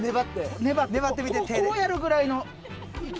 こうやるぐらいの勢いで。